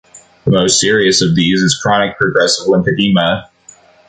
The most serious of these is chronic progressive lymphedema.